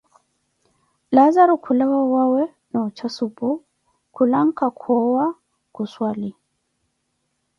Laazaru khulawa owawe, noocha supu, khu lanka koowa khu swali.